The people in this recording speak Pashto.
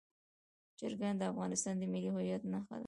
چرګان د افغانستان د ملي هویت نښه ده.